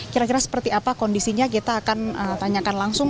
kira kira seperti apa kondisinya kita akan tanyakan langsung